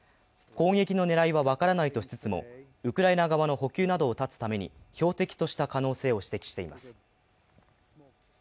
攻撃の狙いは分からないとしつつもウクライナ側の補給などを断つために標的とした可能性を指摘しています。